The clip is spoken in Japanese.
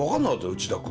内田君。